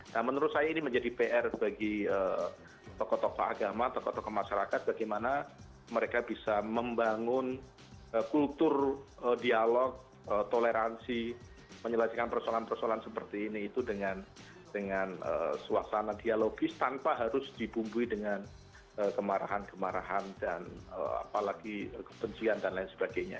nah menurut saya ini menjadi pr bagi tokoh tokoh agama tokoh tokoh masyarakat bagaimana mereka bisa membangun kultur dialog toleransi menyelamatkan persoalan persoalan seperti ini itu dengan dengan suasana dialogis tanpa harus dibumbui dengan kemarahan kemarahan dan apalagi kebencian dan lain sebagainya